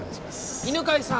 犬飼さん。